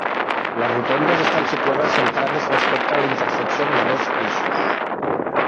Les rotondes estan situades centrades respecte a la intersecció dels dos eixos.